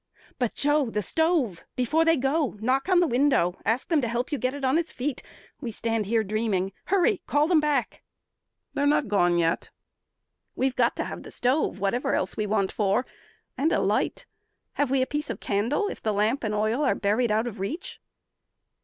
But, Joe, The stove! Before they go! Knock on the window; Ask them to help you get it on its feet. We stand here dreaming. Hurry! Call them back!" "They're not gone yet." "We've got to have the stove, Whatever else we want for. And a light. Have we a piece of candle if the lamp And oil are buried out of reach?"